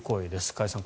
加谷さん